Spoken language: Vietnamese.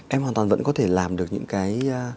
em hoàn toàn vẫn có thể làm được những cái